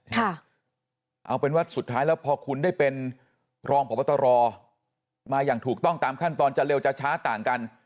เอาเป็นว่าสุดท้ายแล้วพอคุณได้เป็นรองพบตรมาอย่างถูกต้องตามขั้นตอนจะเร็วจะช้าต่างกัน